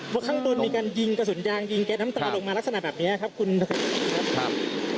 เพราะข้างบนมีการยิงกระสุนยางยิงแก๊สน้ำตาลงมาลักษณะแบบนี้ครับคุณครับ